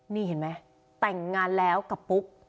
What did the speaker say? นี่เห็นไหมแต่งงานแล้วกับปุ๊ก